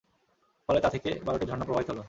ফলে তাথেকে বারটি ঝরনা প্রবাহিত হল।